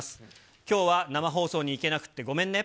きょうは生放送に行けなくって、ごめんね。